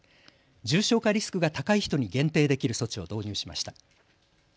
重症化リスクが高い人に限定できる措置を導入しました。